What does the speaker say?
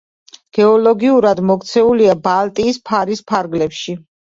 გეოლოგიურად მოქცეულია ბალტიის ფარის ფარგლებში.